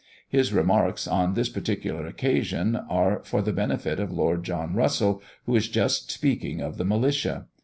His remarks on this particular occasion are for the benefit of Lord John Russell, who is just speaking of the Militia.